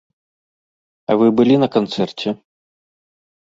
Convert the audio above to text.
А вы былі на канцэрце?